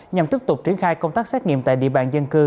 nhằm tiếp tục triển khai công tác xét nghiệm tại địa bàn dân cư